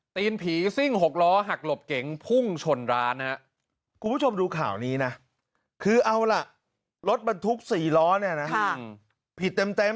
ตีนผีซิ่ง๖ล้อหักหลบเก๋งพุ่งชนร้านนะคุณผู้ชมดูข่าวนี้นะคือเอาล่ะรถบรรทุก๔ล้อเนี่ยนะผิดเต็ม